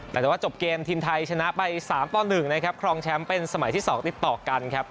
แต่ว่าจบเกมทีมไทยชนะไป๓ต่อ๑นะครับครองแชมป์เป็นสมัยที่๒ติดต่อกันครับ